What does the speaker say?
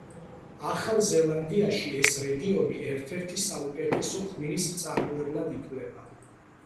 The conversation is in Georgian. ახალ ზელანდიაში ეს რეგიონი ერთ-ერთ საუკუთესო ღვინის მწარმოებლად ითვლება.